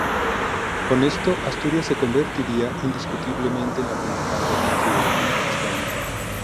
Con esto Asturias se convertía indiscutiblemente en la principal región siderúrgica de España.